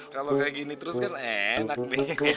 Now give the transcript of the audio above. kalau kayak gini terus kan enak nih